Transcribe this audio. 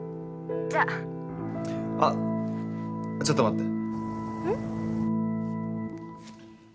ちょっと待って。